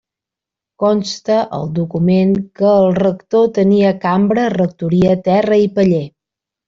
Consta al document que el rector tenia cambra, rectoria, terra i paller.